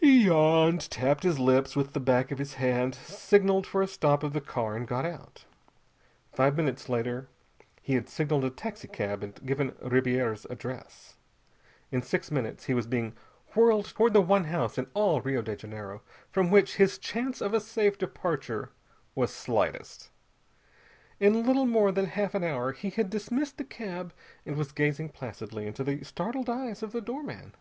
He yawned, tapping his lips with the back of his hand, signaled for a stop of the car, and got out. Five minutes later he had signaled a taxicab and given Ribiera's address. In six minutes he was being whirled toward the one house in all Rio de Janeiro from which his chance of a safe departure was slightest. In little more than half an hour he had dismissed the cab and was gazing placidly into the startled eyes of the doorman.